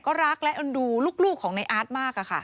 ก็รักและอันดูลูกของในอาร์ทมากอะค่ะ